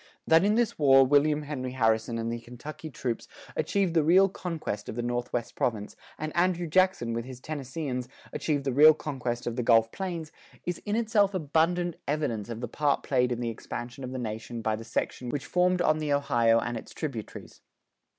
That in this war William Henry Harrison and the Kentucky troops achieved the real conquest of the northwest province and Andrew Jackson with his Tennesseeans achieved the real conquest of the Gulf Plains, is in itself abundant evidence of the part played in the expansion of the nation by the section which formed on the Ohio and its tributaries.